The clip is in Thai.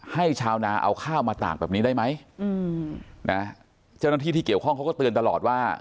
ชาวนาเอาข้าวมาตากแบบนี้ได้ไหมอืมนะเจ้าหน้าที่ที่เกี่ยวข้องเขาก็เตือนตลอดว่า